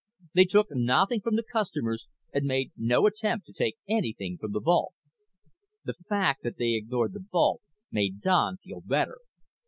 They took nothing from the customers and made no attempt to take anything from the vault. The fact that they ignored the vault made Don feel better.